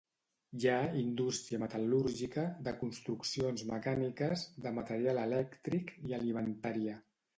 Hi ha indústria metal·lúrgica, de construccions mecàniques, de material elèctric i alimentària.